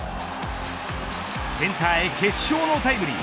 センターへ決勝のタイムリー。